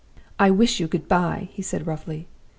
"'I wish you good by,' he said, roughly.